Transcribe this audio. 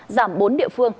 giảm bốn địa phương